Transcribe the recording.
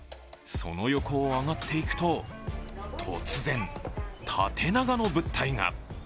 その横を上がっていくと突然、縦長の物体が。